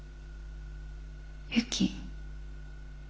ユキ？